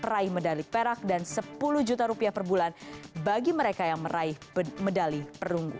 peraih medali perak dan sepuluh juta rupiah per bulan bagi mereka yang meraih medali perunggu